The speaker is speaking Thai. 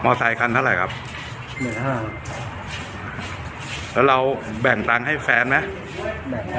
ไซคันเท่าไหร่ครับ๑๕๐๐แล้วเราแบ่งตังค์ให้แฟนไหม